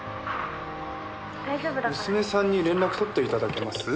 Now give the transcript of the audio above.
娘さんに連絡取って頂けます？